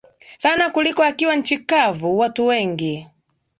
sana kuliko akiwa nchi kavu Watu wengi